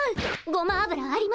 ごま油あります？